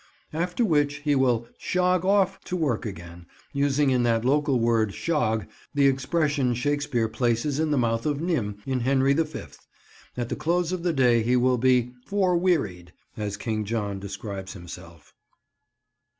After which he will "shog off" to work again; using in that local word "shog" the expression Shakespeare places in the mouth of Nym, in Henry the Fifth. At the close of the day he will be "forewearied," as King John describes himself.